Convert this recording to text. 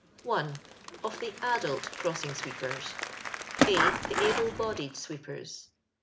— OF THE ADULT CROSSING SWEEPERS. A, The Able Bodied Sweepers.